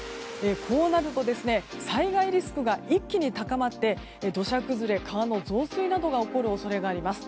こうなると災害リスクが一気に高まって土砂崩れ、川の増水などが起こる恐れがあります。